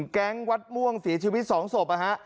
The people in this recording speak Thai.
แก๊งวัดม่วงศรีชีวิตสองศพ